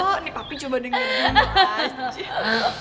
oh nih papi coba denger dulu